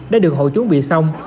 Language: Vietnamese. đã được hội chuẩn bị xong